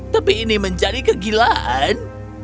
tapi ini menjadi kegilaan